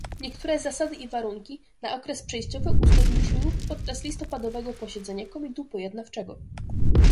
Niektóre zasady i warunki na okres przejściowy uzgodniliśmy już podczas listopadowego posiedzenia Komitetu Pojednawczego